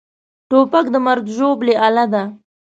توپک د مرګ ژوبلې اله ده.